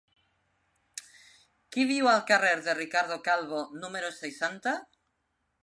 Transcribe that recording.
Qui viu al carrer de Ricardo Calvo número seixanta?